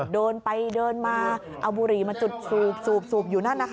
เดินไปเดินมาเอาบุหรี่มาจุดสูบอยู่นั่นนะคะ